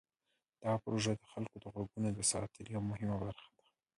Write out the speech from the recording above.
دا پروژه د خلکو د غږونو د ساتنې یوه مهمه برخه ده.